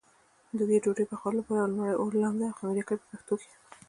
د دې ډوډۍ پخولو لپاره لومړی اوړه لمد او خمېره کوي په پښتو کې.